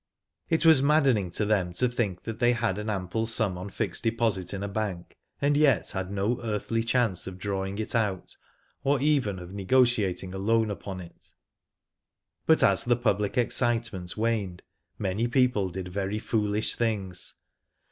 It was maddening to them to think they had an ample sum on fixed deposit in a bank, and yet had no earthly chance of drawing it out, or even of negotiating a loan upon it. But as the public excitement waned many people did very foolish things.